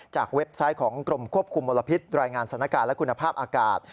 จากเว็บไซต์ของกรมควบคุมมลพิษดรสนักการณ์และคุณภาพอากาศ